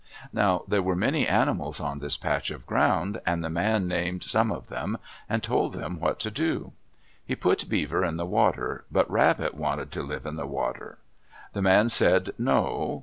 Now there were many animals on this patch of ground, and the man named some of them and told them what to do. He put Beaver in the water, but Rabbit wanted to live in the water. The man said, "No."